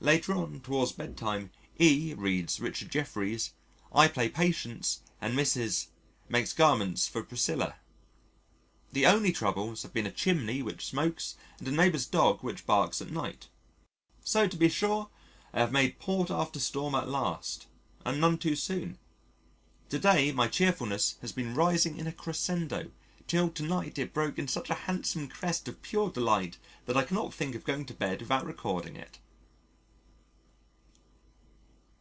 Later on towards bedtime, E reads Richard Jefferies, I play Patience and Mrs. makes garments for Priscilla. The only troubles have been a chimney which smokes and a neighbour's dog which barks at night. So to be sure, I have made port after storm at last and none too soon. To day my cheerfulness has been rising in a crescendo till to night it broke in such a handsome crest of pure delight that I cannot think of going to bed without recording it.